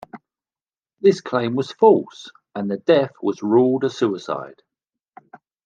This claim was false, and the death was ruled a suicide.